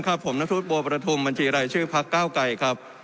ขอบคุณค่ะ